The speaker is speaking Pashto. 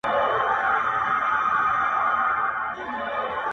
آیینې ولي مي خوبونه د لحد ویښوې!.